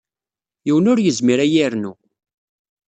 Yiwen ur yezmir ad iyi-yernu.